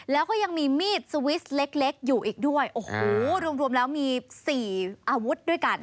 แล้วก็ยังมีมีดสวิสเล็กอยู่อีกด้วยโอ้โหรวมรวมแล้วมีสี่อาวุธด้วยกัน